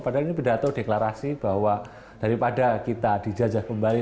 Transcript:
padahal ini pidato deklarasi bahwa daripada kita dijajah kembali